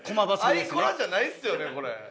アイコラじゃないですよねこれ。